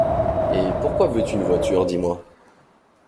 Et pourquoi veux-tu une voiture, dis-moi?